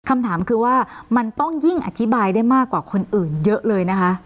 คำถามคือว่ามันต้องยิ่งอธิบายได้มากกว่าคนอื่นเยอะเลยนะคะ